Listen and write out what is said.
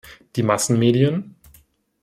Die Massenmedien?